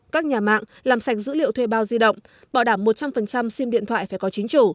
các nhà mạng làm sạch dữ liệu thuê bao di động bảo đảm một trăm linh sim điện thoại phải có chính chủ